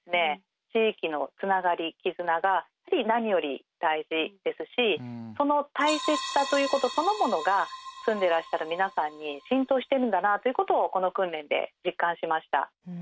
地域のつながり絆が何より大事ですしその大切さということそのものが住んでらっしゃる皆さんに浸透してるんだなということをこの訓練で実感しました。